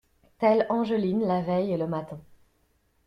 Telle Angeline, la veille et le matin.